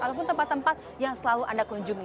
ataupun tempat tempat yang selalu anda kunjungi